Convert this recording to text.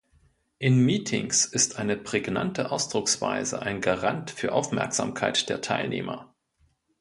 In Meetings ist eine prägnante Ausdrucksweise ein Garant für Aufmerksamkeit der Teilnehmer.